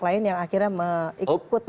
lain yang akhirnya mengikut